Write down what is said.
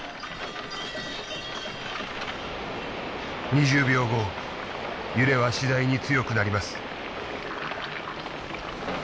２０秒後揺れは次第に強くなります。